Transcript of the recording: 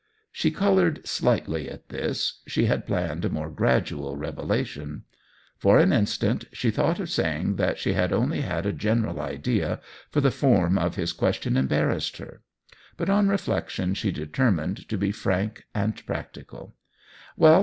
She colored slightly at this — she had pliinned a more gradual revelation. For an insl.uit she thought of saying that she had f»nly had a general idea, for the form of his cpicstion embarrassed her; but on reflection shr (IctiMininod to be frank and practical, •* Well.